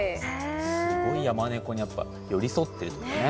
すごいヤマネコにやっぱ寄り添ってるっていうかね。